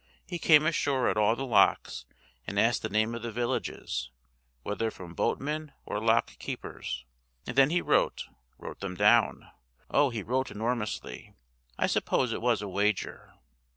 He came ashore at all the locks and asked the name of the villages, whether from boatmen or lock keepers; and then he wrote, wrote them down. Oh, he wrote enormously! I suppose it was a wager.